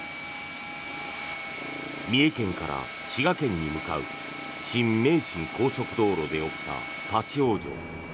三重県から滋賀県に向かう新名神高速道路で起きた立ち往生。